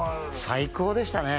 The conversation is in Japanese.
最高でしたね